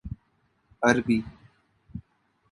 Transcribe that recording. عربی